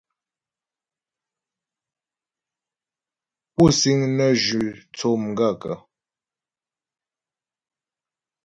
Pú síŋ nə́ zhʉ́ tsó mo gaə̂kə́ ?